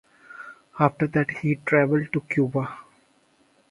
After that he travelled to Cuba.